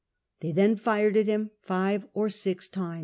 They then fired at him live or six time.